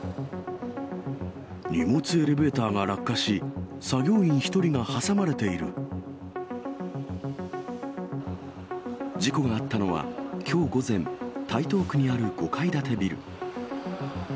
荷物エレベーターが落下し、事故があったのは、きょう午前、台東区にある５階建てビル。